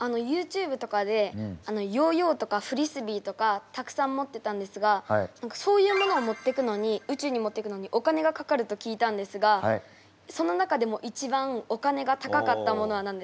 ＹｏｕＴｕｂｅとかでヨーヨーとかフリスビーとかたくさん持ってたんですがそういうものを宇宙に持っていくのにお金がかかると聞いたんですがその中でも一番お金が高かったものは何ですか？